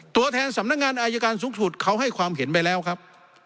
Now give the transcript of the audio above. ตัวแทนสำนักงานอายการสูงสุดเขาให้ความเห็นไปแล้วครับ